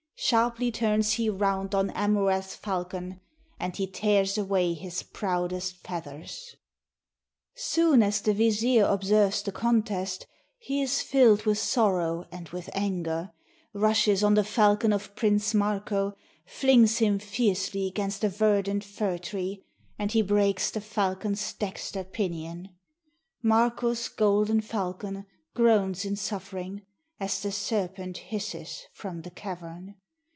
Sharply turns he round on Amurath's falcon, And he tears away his proudest feathers. Soon as the vizier observes the contest. He is fill'd with sorrow and with anger; Rushes on the falcon of Prince Marko, Flings him fiercely 'gainst a verdant fir tree, And he breaks the falcon's dexter pinion, Marko's golden falcon groans in suffering, As the serpent hisses from the cavern.